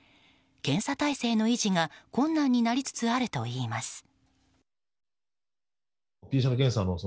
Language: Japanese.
検査体制の維持が困難になりつつあるといいます。